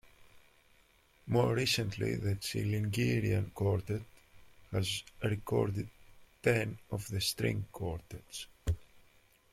More recently, the Chilingirian Quartet has recorded ten of the string quartets.